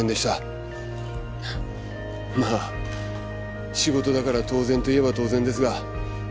まあ仕事だから当然と言えば当然ですが。